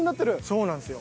そうなんですよ。